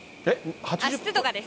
湿度がです。